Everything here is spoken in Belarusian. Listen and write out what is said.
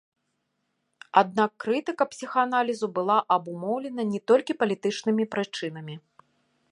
Аднак крытыка псіхааналізу была абумоўлена не толькі палітычнымі прычынамі.